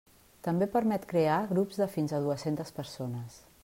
També permet crear grups de fins a dues-centes persones.